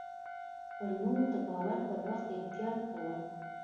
پر نور د باور پر وخت احتياط کوه .